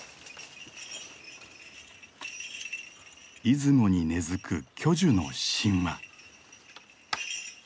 出雲に根づく巨樹の神話。